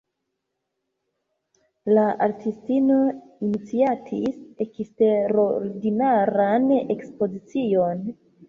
La artistino iniciatis eksterordinaran ekspozicion.